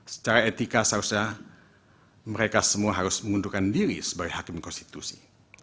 secara etika seharusnya mereka semua harus mengundurkan diri sebagai hakim konstitusi